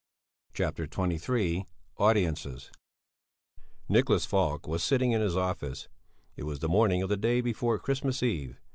CHAPTER XXIII AUDIENCES Nicholas Falk was sitting in his office; it was the morning of the day before Christmas Eve.